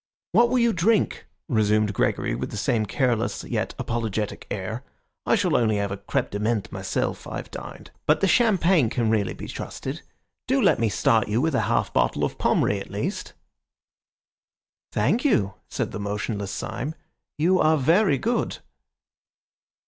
"What will you drink?" resumed Gregory, with the same careless yet apologetic air. "I shall only have a crême de menthe myself; I have dined. But the champagne can really be trusted. Do let me start you with a half bottle of Pommery at least?" "Thank you!" said the motionless Syme. "You are very good."